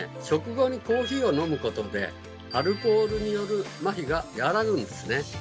食後にコーヒーを飲むことでアルコールによるまひが和らぐんですね。